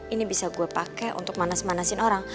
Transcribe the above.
ini bisa gue pakai untuk manas manasin orang